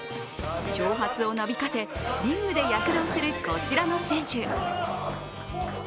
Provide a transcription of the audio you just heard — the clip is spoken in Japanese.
長髪をなびかせ、リングで躍動するこちらの選手。